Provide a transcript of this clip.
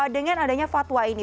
dengan adanya fatwa ini